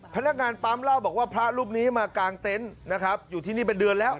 พนักงานปั๊มเล่าบอกว่าพระรูปนี้มากางเต็นต์นะครับอยู่ที่นี่เป็นเดือนแล้ว